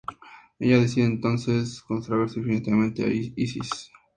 Ella decide entonces consagrarse definitivamente a Isis.